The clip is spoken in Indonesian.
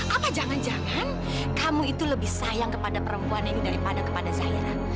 apa jangan jangan kamu itu lebih sayang kepada perempuan ini daripada kepada zairan